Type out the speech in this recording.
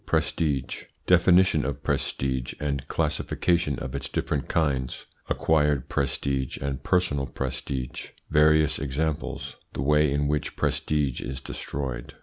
PRESTIGE. Definition of prestige and classification of its different kinds Acquired prestige and personal prestige Various examples The way in which prestige is destroyed.